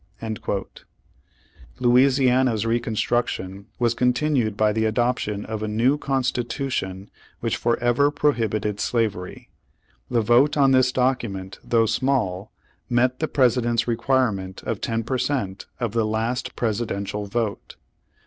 ^ Louisiana's reconstruction was continued by the adoption of a new constitution which forever prohibited slavery. The vote on this document though small, met the President's requirement of ten per cent, of the last Presidential vote.